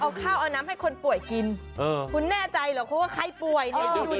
เอาข้าวเอาน้ำให้คนป่วยกินคุณแน่ใจเหรอเขาว่าใครป่วยเนี่ย